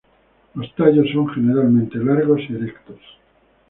Los tallos son generalmente largos y erectos.